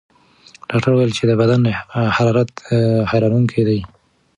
ډاکټره وویل چې د بدن حرارت حیرانوونکی دی.